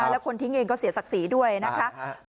แล้วคนทิ้งเองก็เสียศักดิ์ศรีด้วยนะคะ